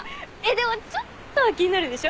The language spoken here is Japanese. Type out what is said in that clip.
でもちょっとは気になるでしょ？